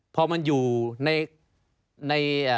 พอมันอยู่ใน